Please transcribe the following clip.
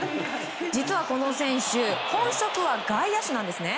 実は、この選手本職は外野手なんですね。